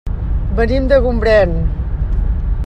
Venim de Gombrèn.